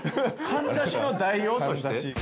かんざしの代用として？